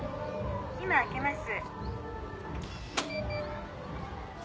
今開けます。